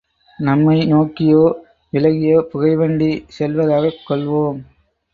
நம்மை நோக்கியோ விலகியோ புகைவண்டி செல்வதாகக் கொள்வோம்.